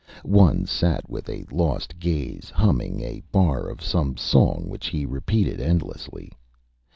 One sat with a lost gaze, humming a bar of some song, which he repeated endlessly.